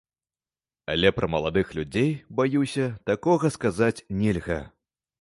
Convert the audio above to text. Але пра маладых людзей, баюся, такога сказаць нельга.